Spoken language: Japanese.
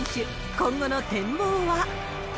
今後の展望は。